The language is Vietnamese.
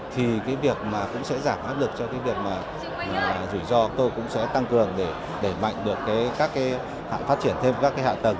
thì việc giảm áp lực cho việc rủi ro tôi cũng sẽ tăng cường để mạnh được các hạng phát triển thêm các hạng tầng